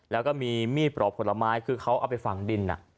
แล้วก็มีมีดปลอกผลไม้คือเขาเอาไปฝังดิน